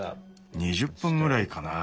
２０分ぐらいかな。